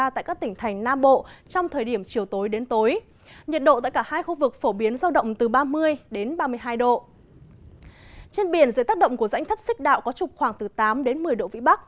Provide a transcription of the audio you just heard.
trên biển dưới tác động của rãnh thấp xích đạo có trục khoảng từ tám đến một mươi độ vĩ bắc